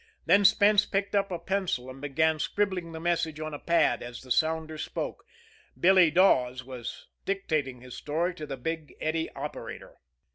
Then Spence picked up a pencil and began scribbling the message on a pad, as the sounder spoke Billy Dawes was dictating his story to the Big Eddy operator.